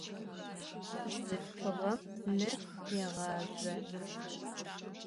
Bzılhfığem lır yêğazjo.